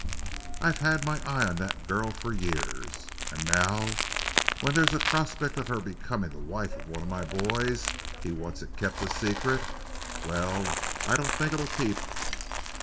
I've had my eye on that girl for years, and now when there's a prospect of her becoming the wife of one of my boys, he wants it kept a secret? Well, I don't think it'll keep."